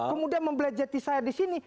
kemudian membelajati saya di sini